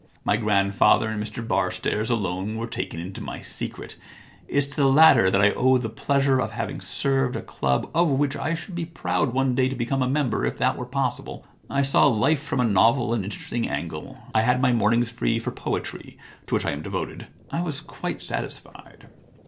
My grandfather and Mr Barstairs alone were taken into my secret. It is to the latter that I owe the pleasure of having served a 121 The Problem Club club of which I should be proud one day to become a memberj if that were possible. I saw life from a novel and interesting angle. I had my mornings free for poetry, to which I am devoted. I was quite satisfied.